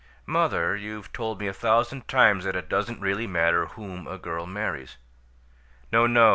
"Mother, you've told me a thousand times that it doesn't really matter whom a girl marries." "No, no!"